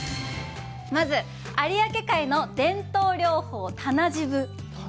まず有明海の伝統漁法、「棚じぶ」。